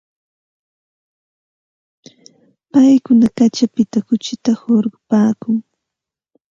Paykuna kaćhapita kuchita qarqupaakun.